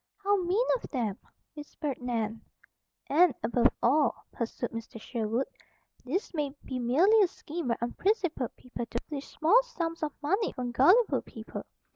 "How mean of them!" whispered Nan. "And, above all," pursued Mr. Sherwood, "this may be merely a scheme by unprincipled people to filch small sums of money from gullible people.